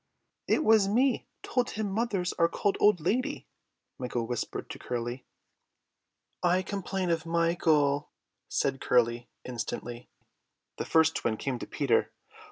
"It was me told him mothers are called old lady," Michael whispered to Curly. "I complain of Michael," said Curly instantly. The first twin came to Peter.